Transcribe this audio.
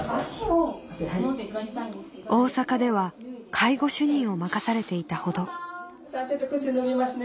大阪では介護主任を任されていたほど靴脱ぎますね。